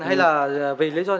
hay là vì lý do